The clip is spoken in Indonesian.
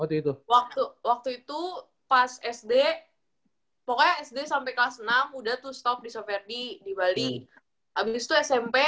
waktu itu pas sd pokoknya sd sampe kelas enam udah tuh stop di sofrd di bali